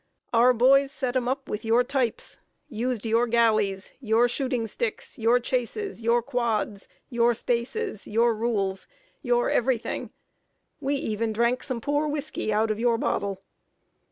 Our boys set 'em up with your types, used your galleys, your 'shooting sticks,' your 'chases,' your 'quads,' your 'spaces,' your 'rules,' your every thing. We even drank some poor whisky out of your bottle.